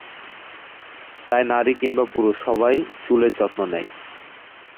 তাই নারী কিংবা পুরুষ সবাই চুলের যত্ন নেয়।